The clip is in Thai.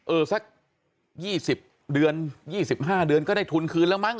สัก๒๐เดือน๒๕เดือนก็ได้ทุนคืนแล้วมั้